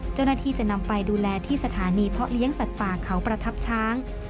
เจ้าหน้าที่จะนำไปดูแลที่สถานีเพาะเลี้ยงสัตว์ป่าเขาประทับช้าง